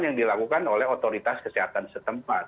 yang dilakukan oleh otoritas kesehatan setempat